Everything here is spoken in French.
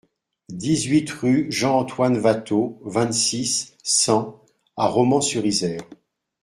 dix-huit rue Jean-Antoine Watteau, vingt-six, cent à Romans-sur-Isère